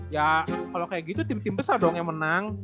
ya kalau kayak gitu tim tim besar dong yang menang